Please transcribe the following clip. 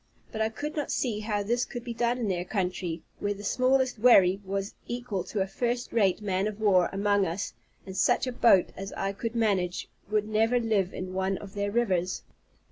But I could not see how this could be done in their country, where the smallest wherry was equal to a first rate man of war among us; and such a boat as I could manage would never live in one of their rivers.